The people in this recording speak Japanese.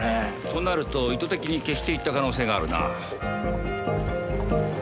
となると意図的に消していった可能性があるな。